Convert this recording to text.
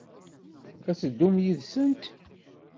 Ad teddum yid-sent?